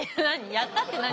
やったって何？